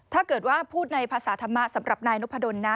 ถ้าเกิดว่าพูดในภาษาธรรมะสำหรับนายนพดลนะ